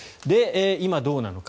今、どうなのか。